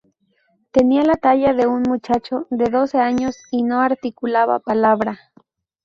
Tenía la talla de un muchacho de doce años y no articulaba palabra.